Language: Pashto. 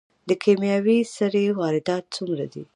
د کیمیاوي سرې واردات څومره دي؟